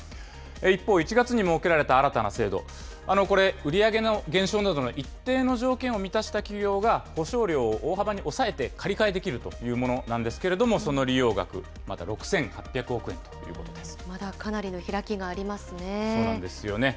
一方、１月に設けられた新たな制度、これ、売り上げの減少などの一定の条件を満たした企業が保証料を大幅に抑えて借り換えできるというものなんですけれども、その利用額、まだかなりの開きがありますそうなんですよね。